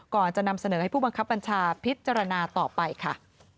ก่อนจะนำเสนอให้ผู้บังคับบัญชาพิจารณาต่อไปค่ะ